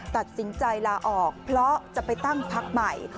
ตัดสินใจลาออกเพราะจะไปตั้งพักใหม่